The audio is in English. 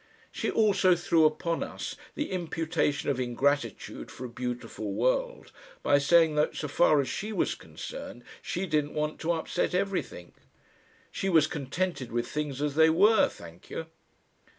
She also threw upon us the imputation of ingratitude for a beautiful world by saying that so far as she was concerned she didn't want to upset everything. She was contented with things as they were, thank you.